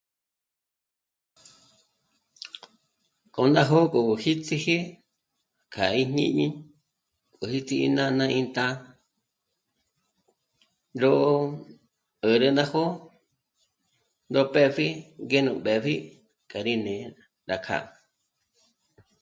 K'o ná jó'o gó jítsiji kja í jñíñi gó jítsiji ínána íntá'a, ró 'ä̀rä ná jó'o, ndó pë́pji ngé nú b'ë̀pji kja rí né'e rá kjâ'a